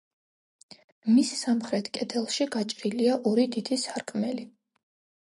მის სამხრეთ კედელში გაჭრილია ორი დიდი სარკმელი.